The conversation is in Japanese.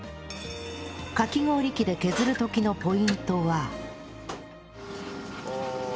かき氷器で削る時のポイントは